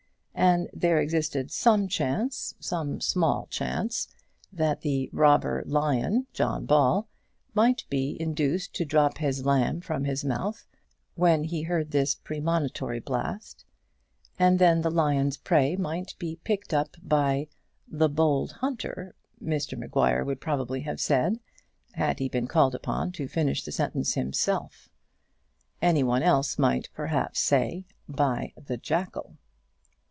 And there existed some chance, some small chance, that the robber lion, John Ball, might be induced to drop his lamb from his mouth when he heard this premonitory blast, and then the lion's prey might be picked up by "the bold hunter," Mr Maguire would probably have said, had he been called upon to finish the sentence himself; anyone else might, perhaps, say, by the jackal.